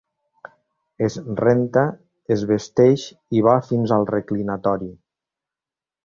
Es renta, es vesteix i va fins al reclinatori.